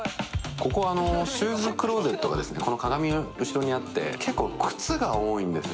ここシューズクローゼットが鏡の後ろにあって結構靴が多いんです。